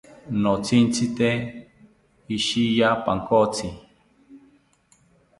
Notzitzite ishiya pankotzi